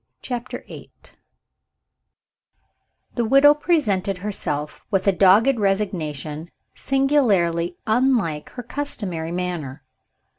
CHAPTER VIII The widow presented herself, with a dogged resignation singularly unlike her customary manner.